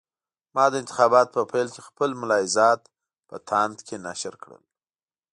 ما د انتخاباتو په پیل کې خپل ملاحضات په تاند کې نشر کړل.